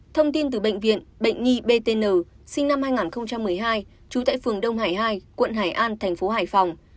thông tin từ bệnh viện bệnh nhi btn sinh năm hai nghìn một mươi hai trú tại phường đông hải hai quận hải an thành phố hải phòng